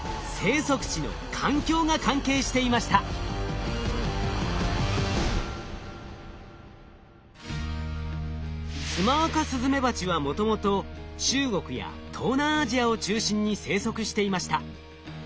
その理由はツマアカスズメバチはもともと中国や東南アジアを中心に生息していました。